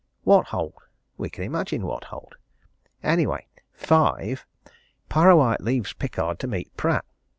What hold? We can imagine what hold. Anyway "5. Parrawhite leaves Pickard to meet Pratt.